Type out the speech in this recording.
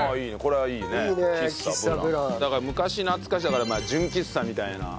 だから「昔懐かしい」だから純喫茶みたいな感じだよね。